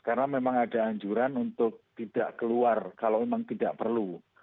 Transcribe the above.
karena memang ada anjuran untuk tidak keluar kalau memang tidak perlu